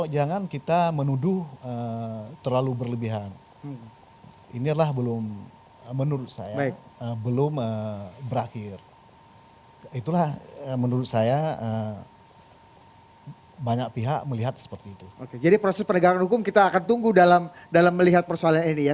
jadi proses penegakan hukum kita akan tunggu dalam melihat persoalan ini ya